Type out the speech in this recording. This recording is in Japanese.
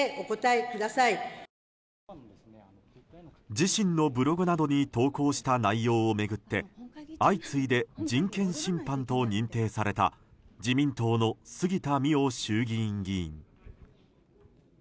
自身のブログなどに投稿した内容を巡って相次いで人権侵犯と認定された自民党の杉田水脈衆議院議員。